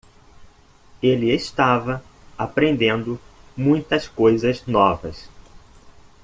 Ele estava aprendendo muitas coisas novas.